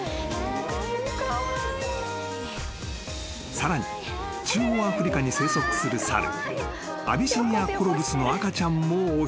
［さらに中央アフリカに生息する猿アビシニアコロブスの赤ちゃんもお披露目］